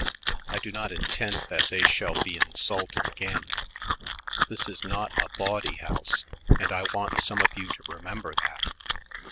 I do not intend that they shall be insulted again. This is not a bawdy house, and I want some of you to remember that."